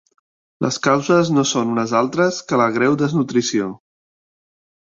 Les causes no són unes altres que la greu desnutrició.